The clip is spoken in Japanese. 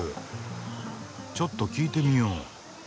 ちょっと聞いてみよう。